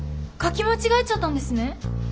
書き間違えちゃったんですね。